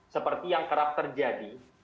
seperti yang kerap terjadi